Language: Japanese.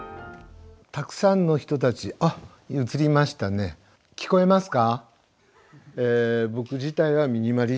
たくさんの人たち映りましたね、聞こえますか？